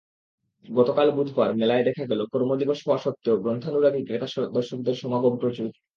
গতকাল বুধবার মেলায় দেখা গেল কর্মদিবস হওয়া সত্ত্বেও গ্রন্থানুরাগী ক্রেতা-দর্শকদের সমাগম প্রচুর।